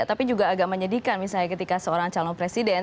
agak menyedihkan misalnya ketika seorang calon presiden